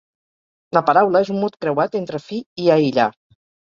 La paraula és un mot creuat entre fi i aïllar.